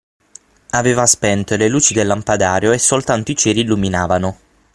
Aveva spento le luci del lampadario e soltanto i ceri illuminavano.